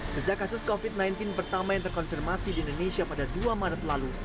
sejak kasus covid sembilan belas pertama yang terkonfirmasi di indonesia pada dua maret lalu